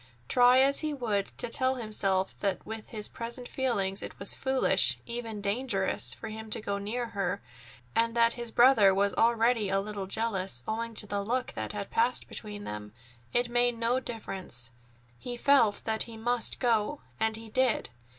Try as he would to tell himself that with his present feelings it was foolish, even dangerous, for him to go near her, and that his brother was already a little jealous owing to the look that had passed between them, it made no difference; he felt that he must go, and go he did.